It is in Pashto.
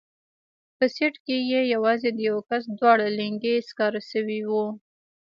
په سيټ کښې يې يوازې د يوه کس دواړه لينگي سکاره سوي وو.